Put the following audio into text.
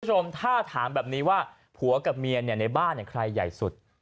คุณผู้ชมถ้าถามแบบนี้ว่าผัวกับเมียในบ้านใครใหญ่สุด